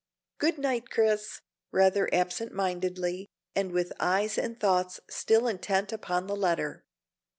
"Good night, Chris," rather absent mindedly, and with eyes and thoughts still intent upon the letter.